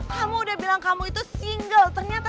kamu udah bilang kamu itu single ternyata